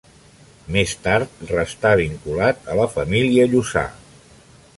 Més tard restà vinculat a la família Lluçà.